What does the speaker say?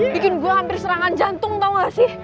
bikin gue hampir serangan jantung tau gak sih